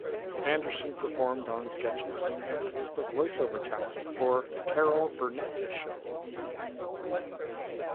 Anderson performed on sketches and was the voiceover talent for "The Carol Burnett Show".